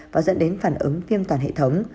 và dẫn đến phản ứng viêm toàn hệ thống